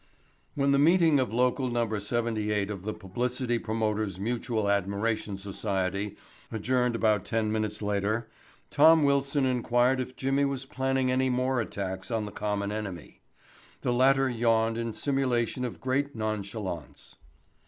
When the meeting of Local No. 78 of the Publicity Promoters' Mutual Admiration Society adjourned about ten minutes later, Tom Wilson inquired if Jimmy was planning any more attacks on the common enemy. The latter yawned in simulation of great nonchalance.